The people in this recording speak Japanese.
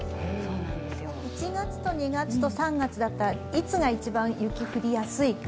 １月と２月と３月だったらいつが一番雪降りやすい？